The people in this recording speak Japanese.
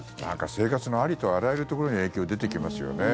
生活のありとあらゆるところに影響が出てきますよね。